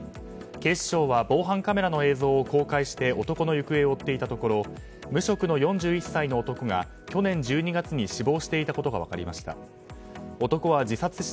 警視庁は防犯カメラの映像を公開して男の行方を追っていたところ無職の４１歳の男が去年１２月に死亡していたことが分かりました。